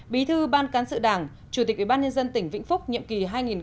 bí thư ban cán sự đảng chủ tịch ubnd tỉnh vĩnh phúc nhiệm kỳ hai nghìn một mươi một hai nghìn một mươi một